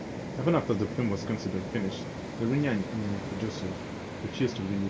Even after the film was considered finished, the Iranian producers refused to release it.